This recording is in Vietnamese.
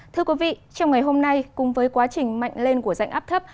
thưa quý vị trong ngày hôm nay cùng với quá trình mạnh lên của dạnh áp thấp